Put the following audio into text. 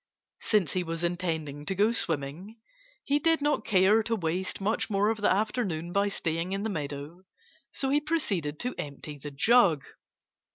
Since he was intending to go swimming, he did not care to waste much more of the afternoon by staying in the meadow. So he proceeded to empty the jug.